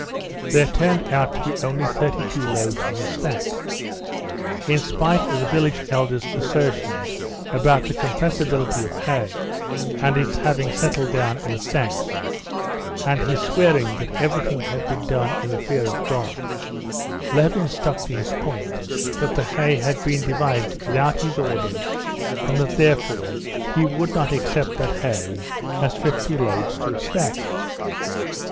There turned out to be only thirty two loads in the stack. In spite of the village elder's assertions about the compressibility of hay, and its having settled down in the stacks, and his swearing that everything had been done in the fear of God, Levin stuck to his point that the hay had been divided without his orders, and that, therefore, he would not accept that hay as fifty loads to a stack.